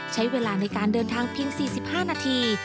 ใช้เวลาในการเดินทางเพียง๔๕นาที